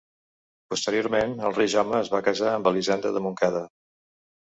Posteriorment, el rei Jaume es va casar amb Elisenda de Montcada.